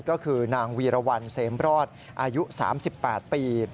ก็คือนางวีรวรรณเสมรอดอายุ๓๘ปี